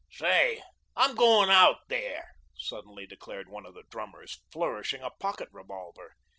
"Say, I'm going out there," suddenly declared one of the drummers, flourishing a pocket revolver.